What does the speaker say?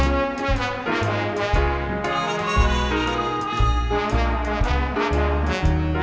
บัตรฐานต้น